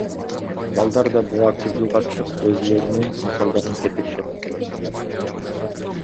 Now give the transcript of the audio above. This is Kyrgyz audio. Балдар да буга активдүү катышып, өзүлөрүнүн мисалдарын кетиришет.